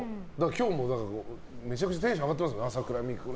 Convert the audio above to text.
今日もめちゃくちゃテンション上がっていますからね。